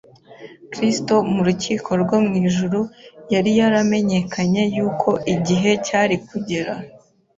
Kristo mu rukiko rwo mu ijuru yari yaramenye yuko igihe cyari kugera